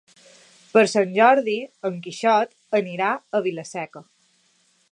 Per Sant Jordi en Quixot anirà a Vila-seca.